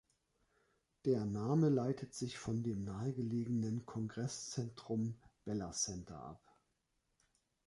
Der Name leitet sich von dem nahegelegenen Kongresszentrum Bella Center ab.